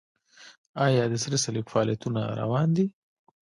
آیا د سره صلیب فعالیتونه روان دي؟